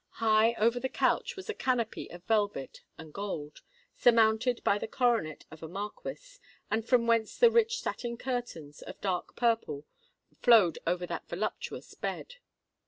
High over the couch was a canopy of velvet and gold, surmounted by the coronet of a Marquis, and from whence the rich satin curtains, of dark purple, flowed over that voluptuous bed.